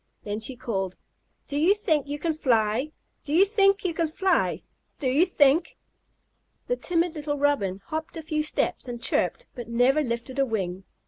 Then she called: "Do you think you can fly? Do you think you can fly? Do you think?" The timid little Robin hopped a few steps and chirped but never lifted a wing.